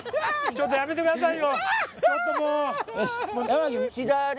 ちょっとやめてください。